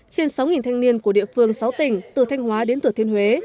trên sáu thanh niên của địa phương sáu tỉnh từ thanh hóa đến thừa thiên huế